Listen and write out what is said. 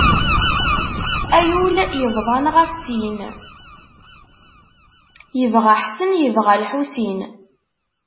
A yul yebḍan ɣef sin, yebɣa ḥsen, yebɣa lḥusin.